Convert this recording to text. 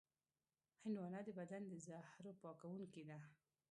هندوانه د بدن د زهرو پاکوونکې ده.